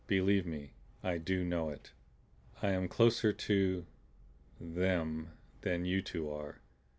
"Believe me, I do know it. I am closer to them than you two are.